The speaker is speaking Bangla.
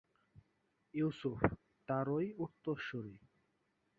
ইউসুফ তারই উত্তরসূরি।